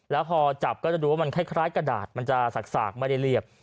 แล้วพอจับก็จะดูว่ามันคล้ายกระดาษมันจะสากไม่ได้เรียบ